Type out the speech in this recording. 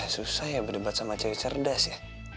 susah ya berdebat sama cewek cerdas ya